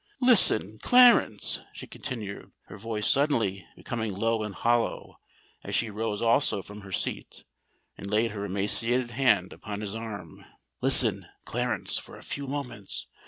"Listen, Clarence," she continued, her voice suddenly becoming low and hollow, as she rose also from her seat and laid her emaciated hand upon his arm,—"listen, Clarence, for a few moments.